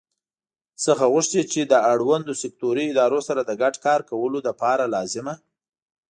څخه غوښتي چې له اړوندو سکټوري ادارو سره د ګډ کار کولو لپاره لازمه